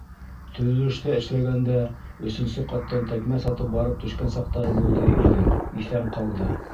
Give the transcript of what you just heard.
Төҙөлөштә эшләгәндә өсөнсө ҡаттан тәкмәс атып барып төшкән саҡтары булды ирҙең, иҫән ҡалды.